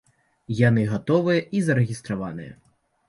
Яны гатовыя і зарэгістраваныя.